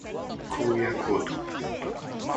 荒野行動